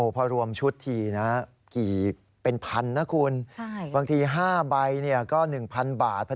พอรวมชุดทีนะกี่เป็นพันนะคุณ